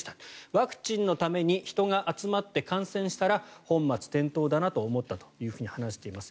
ワクチンのために人が集まって感染したら本末転倒だなと思ったと話しています。